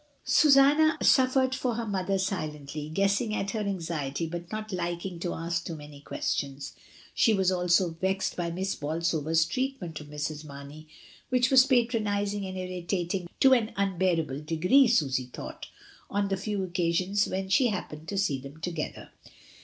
Susanna suffered for her mother silently, guessing at her anxiety, but not liking to ask many questions. She was also vexed by Miss Bolsover's treatment of Mrs. Marney, which was patronising and irritating to an unbearable degree Susy thought, on the few occasions when she happened to see them together.